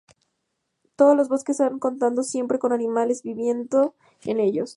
Todos los bosques han contado siempre con animales viviendo en ellos.